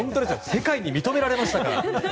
世界に認められましたから。